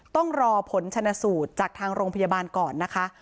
ต้องรอผลชนสูตรจากทางโรงพยาบาลก่อนนะคะ